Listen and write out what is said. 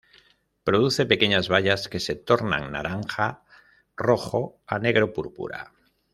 Produce pequeñas bayas que se tornan naranja-rojo a negro-púrpura.